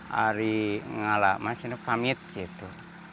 hari ngalakmah sini pamit gitu